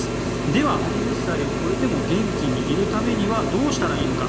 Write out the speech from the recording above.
では８０歳を超えても元気でいるためにはどうしたらいいのか。